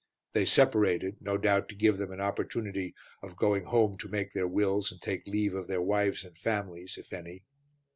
They separated, no doubt to give them an opportunity of going home to make their wills and take leave of their wives and families, if any.